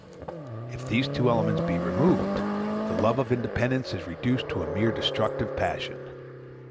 If these two elements be removed, the love of independence is reduced to a mere destructive passion.